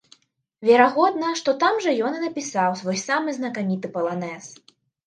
Верагодна, што там жа ён і напісаў свой самы знакаміты паланэз!